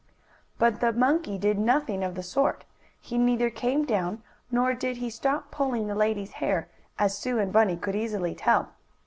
But the monkey did nothing of the sort. He neither came down, nor did he stop pulling the lady's hair, as Sue and Bunny could easily tell.